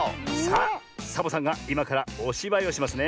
さあサボさんがいまからおしばいをしますね。